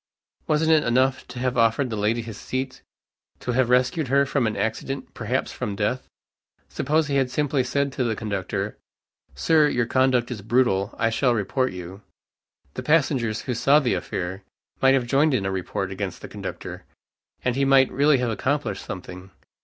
Wasn't it enough to have offered the lady his seat, to have rescued her from an accident, perhaps from death? Suppose he had simply said to the conductor, "Sir, your conduct is brutal, I shall report you." The passengers, who saw the affair, might have joined in a report against the conductor, and he might really have accomplished something.